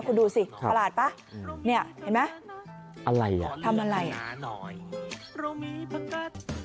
คุณดูสิครับประหลาดป่ะอืมเนี้ยเห็นไหมอะไรอ่ะทำอะไรอ่ะ